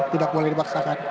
tidak boleh dipaksakan